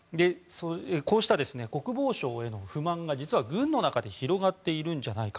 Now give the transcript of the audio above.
こうした国防省への不満が実は軍の中で広がっているんじゃないか。